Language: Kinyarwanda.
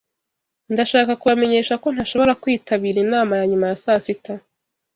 Ndashaka kubamenyesha ko ntashobora kwitabira inama ya nyuma ya saa sita.